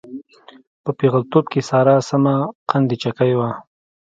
په پېغلتوب کې ساره سمه قند چکۍ وه.